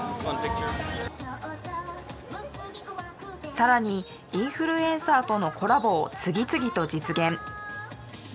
更にインフルエンサーとのコラボを次々と実現。